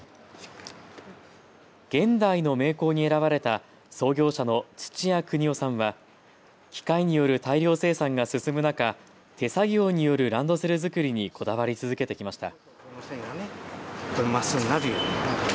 現代の名工に選ばれた創業者の土屋國男さんは機械による大量生産が進む中、手作業によるランドセル作りにこだわり続けてきました。